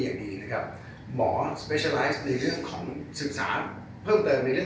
หรือไม่มีทางเพื่อที่เราทำหรอกที่นี่แน่นอน